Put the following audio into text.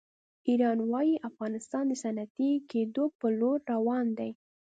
ایران وایي افغانستان د صنعتي کېدو په لور روان دی.